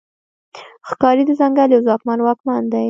ښکاري د ځنګل یو ځواکمن واکمن دی.